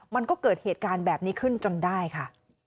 มันก็เกิดเหตุการณ์แบบนี้ขึ้นจนได้ค่ะ